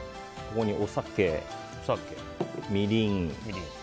ここにお酒、みりん